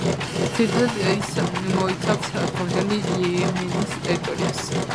ძირითადად ის მოიცავს დღევანდელი იემენის ტერიტორიას.